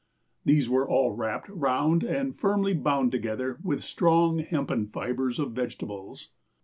These were all wrapped round and firmly bound together with strong hempen fibers of vegetables.